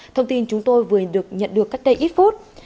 thông tin chúng tôi vừa được nhận được cách đây ít phút